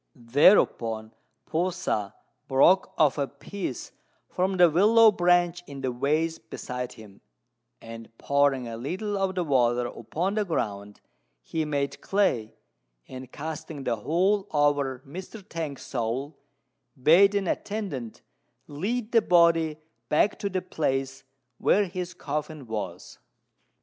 Thereupon P'u sa broke off a piece from the willow branch in the vase beside him; and, pouring a little of the water upon the ground, he made clay, and, casting the whole over Mr. T'ang's soul, bade an attendant lead the body back to the place where his coffin was.